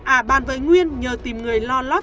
à bàn với nguyên nhờ tìm người lo lót